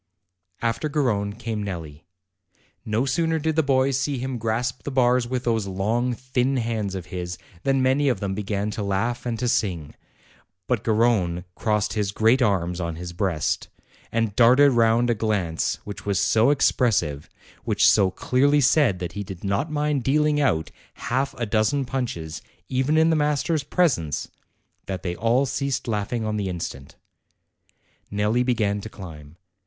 After Garrone came Nelli. No sooner did the boys see him grasp the bars with those long, thin hands of his, than many of them began to laugh and to sing; but Garrone crossed his great arms on his breast, and darted round a glance which was so expressive, which so clearly said that he did not mind dealing out half a dozen punches, even in the master's presence, that they all ceased laughing on the instant. Nelli began to climb.